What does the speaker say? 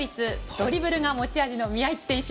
ドリブルが持ち味の宮市選手。